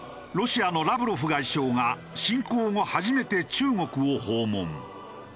ロシアのラブロフ外相が侵攻後初めて中国を訪問。